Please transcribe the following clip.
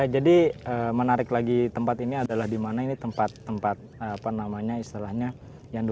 jadi menarik lagi tempat ini adalah di mana ini tempat tempat apa namanya istilahnya